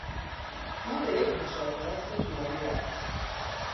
او به یک مسافرت طولانی رفت.